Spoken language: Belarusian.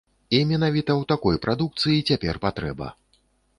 І менавіта ў такой прадукцыі цяпер патрэба.